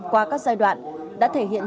qua các giai đoạn đã thể hiện